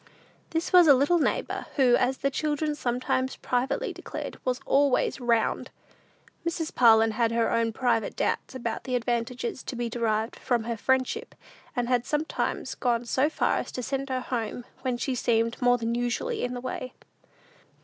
This was a little neighbor, who, as the children sometimes privately declared, was "always 'round." Mrs. Parlin had her own private doubts about the advantages to be derived from her friendship, and had sometimes gone so far as to send her home, when she seemed more than usually in the way.